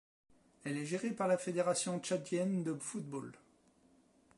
Elle est gérée par la Fédération tchadienne de football.